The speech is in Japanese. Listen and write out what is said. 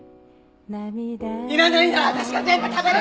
いらないなら私が全部食べる！